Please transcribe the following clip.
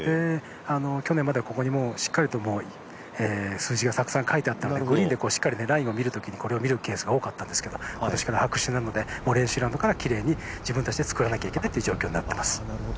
去年まではここにしっかりと数字がたくさん書いてあったのでグリーンでしっかりラインを見るのが、これを見るケース多かったんですけど今年からは白紙なので、もう練習ラウンドから自分たちで作らなきゃいけないっていう状態になっています。